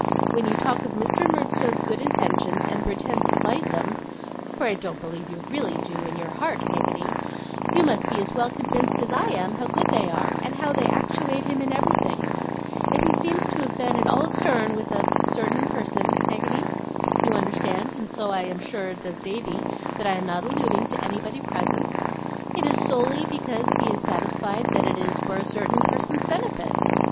When you talk of Mr. Murdstone's good intentions, and pretend to slight them (for I don't believe you really do, in your heart, Peggotty), you must be as well convinced as I am how good they are, and how they actuate him in everything. If he seems to have been at all stern with a certain person, Peggotty you understand, and so I am sure does Davy, that I am not alluding to anybody present it is solely because he is satisfied that it is for a certain person's benefit.